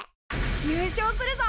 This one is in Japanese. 優勝するぞ！